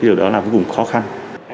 điều đó là vô cùng khó khăn